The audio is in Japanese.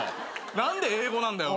何で英語なんだよ俺。